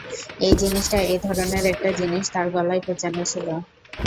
এই জিনিসটা এই ধরনের একটা জিনিস তার গলায় পেঁচানো ছিলো।